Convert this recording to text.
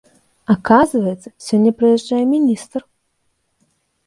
Аказваецца, сёння прыязджае міністр!